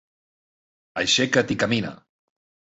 Aixeca't i camina.